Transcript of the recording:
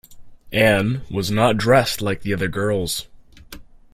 Anne was not dressed like the other girls!